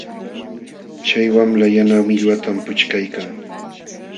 Chay wamla yana millwatam puchkaykan.